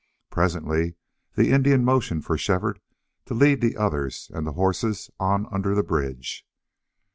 Presently the Indian motioned for Shefford to lead the others and the horses on under the bridge.